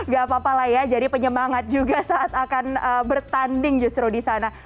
gak apa apa lah ya jadi penyemangat juga saat akan bertanding justru di sana